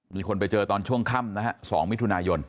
มีคนไปเจอตอนช่วงค่ำนะฮะ๒มิถุนายน